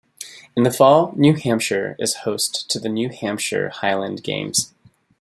In the fall, New Hampshire is host to the New Hampshire Highland Games.